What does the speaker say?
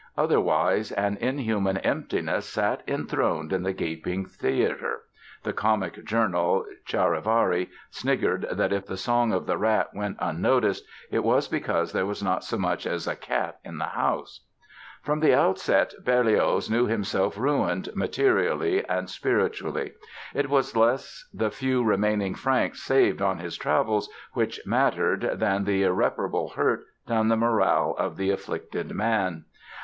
Otherwise an inhuman emptiness sat enthroned in the gaping theatre (the comic journal, Charivari, sniggered that if the Song of the Rat went unnoticed it was because there was not so much as a cat in the house!). From the outset Berlioz knew himself ruined, materially and spiritually. It was less the few remaining francs saved on his travels which mattered than the irreparable hurt done the morale of the afflicted man.